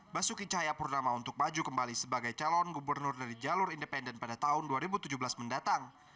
basuki cahayapurnama untuk maju kembali sebagai calon gubernur dari jalur independen pada tahun dua ribu tujuh belas mendatang